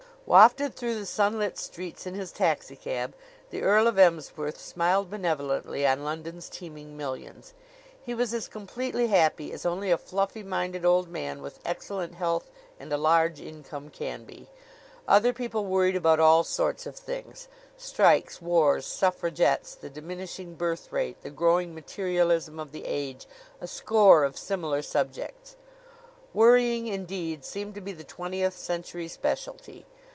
Wafted through the sunlit streets in his taxicab, the Earl of Emsworth smiled benevolently on London's teeming millions. He was as completely happy as only a fluffy minded old man with excellent health and a large income can be. Other people worried about all sorts of things strikes, wars, suffragettes, the diminishing birth rate, the growing materialism of the age, a score of similar subjects. Worrying, indeed, seemed to be the twentieth century specialty.